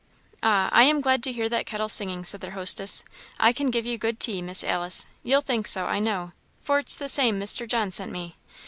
"Ah, I am glad to hear that kettle singing," said their hostess. "I can give you good tea, Miss Alice; you'll think so, I know, for it's the same Mr. John sent me.